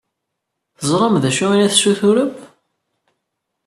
Teẓram d acu ay la tessuturem?